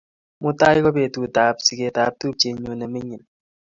Mutai ko petut ap siget ap tupchennyu ne mining'